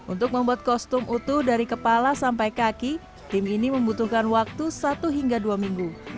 untuk membuat kostum utuh dari kepala sampai kaki tim ini membutuhkan waktu satu hingga dua minggu